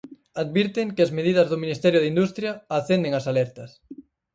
Advirten que as medidas do Ministerio de Industria acenden as alertas.